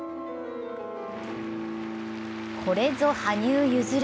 これぞ羽生結弦。